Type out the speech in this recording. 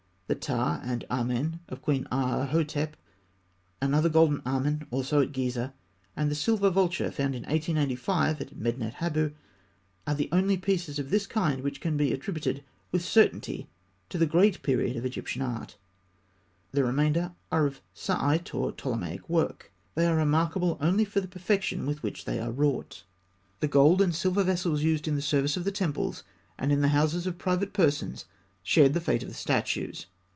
The Ptah and Amen of Queen Aahhotep, another golden Amen also at Gizeh, and the silver vulture found in 1885 at Medinet Habû, are the only pieces of this kind which can be attributed with certainty to the great period of Egyptian art. The remainder are of Saïte or Ptolemaic work, and are remarkable only for the perfection with which they are wrought. The gold and silver vessels used in the service of the temples, and in the houses of private persons, shared the fate of the statues.